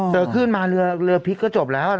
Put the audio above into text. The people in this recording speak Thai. ขึ้นมาเรือพลิกก็จบแล้ว